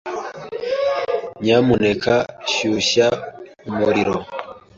Nyamuneka shyushya umuriro.